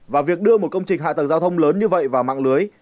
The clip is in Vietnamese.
và việc đưa một công trình hạ tầng giao thông lớn như vậy vào mạng lưới